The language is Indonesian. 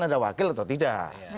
ada wakil atau tidak